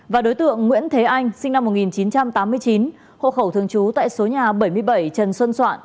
và đối tượng nguyễn thế anh sinh năm một nghìn chín trăm tám mươi chín hộ khẩu thường trú tại số nhà bảy mươi bảy trần xuân soạn